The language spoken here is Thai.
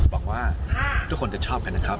บอกว่าทุกคนจะชอบกันนะครับ